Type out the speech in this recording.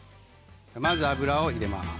まず油を入れます。